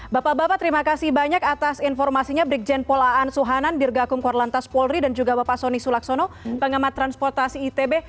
bapak bapak terima kasih banyak atas informasinya brigjen polaan suhanan dirgakum korlantas polri dan juga bapak soni sulaksono pengamat transportasi itb